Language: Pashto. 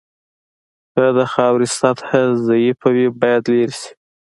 که د خاورې سطحه ضعیفه وي باید لرې شي